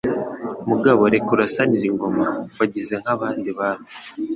Mugabo reka urasanire ingoma Wagize nk'abandi bami